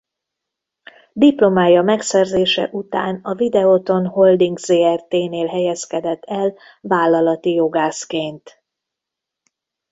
Diplomája megszerzése után a Videoton Holding Zrt-nél helyezkedett el vállalati jogászként.